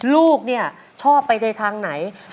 ลูกเนี่ยชอบไปในทางไหน